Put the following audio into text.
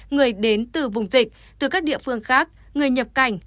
người đến từ vùng dịch từ các địa phương khác người nhập cảnh